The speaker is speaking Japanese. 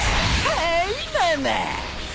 はいママ！